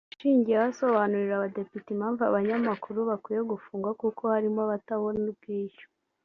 yashingiyeho asobanurira abadepite impamvu abanyamakuru bakwiye gufungwa kuko harimo abatabona ubwishyu